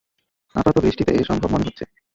আপাতদৃষ্টিতে, সম্ভব মনে হচ্ছে।